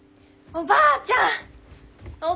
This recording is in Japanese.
おばあちゃん！